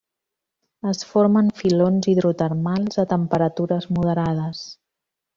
Es forma en filons hidrotermals a temperatures moderades.